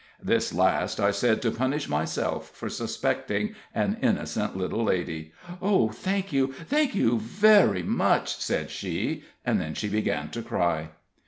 This last I said to punish myself for suspecting an innocent little lady. "Oh, thank you thank you very much," said she, and then she began to cry.